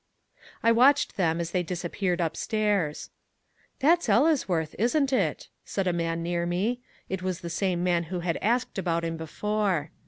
I watched them as they disappeared upstairs. "That's Ellesworth, isn't it?" said a man near me. It was the same man who had asked about him before.